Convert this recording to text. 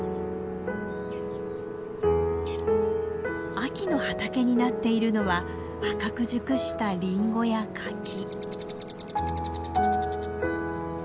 秋の畑になっているのは赤く熟したリンゴやカキ。